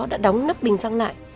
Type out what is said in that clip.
đã đóng nắp bình xăng lại